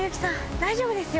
大丈夫ですよ。